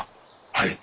はい。